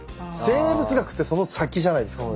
生物学ってその先じゃないですか。